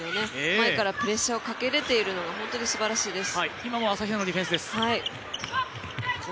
前からプレッシャーがかけられているのがすばらしいです。